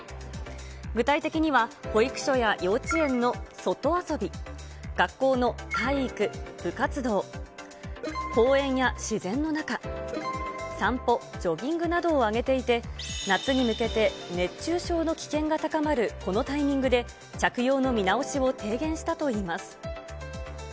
具体的には、保育所や幼稚園の外遊び、学校の体育・部活動、公園や自然の中、散歩、ジョギングなどを挙げていて、夏に向けて、熱中症の危険が高まるこのタイミングで、着用の見直しを提言したといいます。